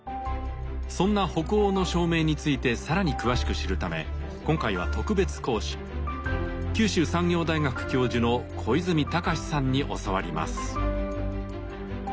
そんな北欧の照明について更に詳しく知るため今回は特別講師九州産業大学教授の小泉隆さんに教わります。